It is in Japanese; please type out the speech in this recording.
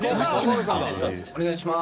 お願いします。